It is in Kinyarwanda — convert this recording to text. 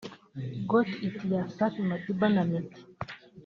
Got it ya Safi Madiba na Meddy